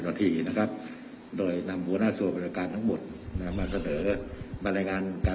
นาทีนะครับโดยนำหัวหน้าส่วนบริการทั้งหมดมาเสนอมารายงานการ